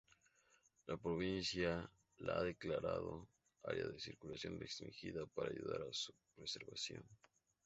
La provincia la ha declarado "área de circulación restringida" para ayudar a su preservación.